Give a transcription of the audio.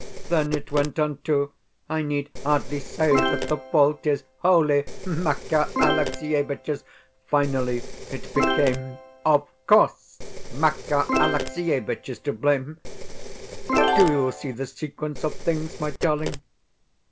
Then it went on to "I need hardly say that the fault is wholly Makar Alexievitch's." Finally it became "OF COURSE Makar Alexievitch is to blame." Do you see the sequence of things, my darling?